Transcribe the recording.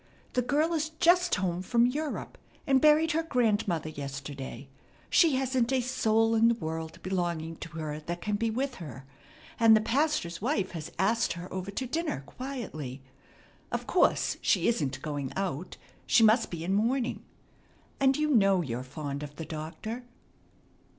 The girl is just home from Europe, and buried her grandmother yesterday. She hasn't a soul in the world belonging to her that can be with her, and the pastor's wife has asked her over to dinner quietly. Of course she isn't going out. She must be in mourning. And you know you're fond of the doctor."